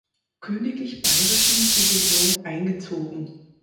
Königlich Bayerischen Division eingezogen.